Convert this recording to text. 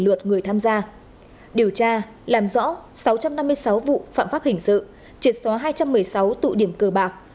lượt người tham gia điều tra làm rõ sáu trăm năm mươi sáu vụ phạm pháp hình sự triệt xóa hai trăm một mươi sáu tụ điểm cờ bạc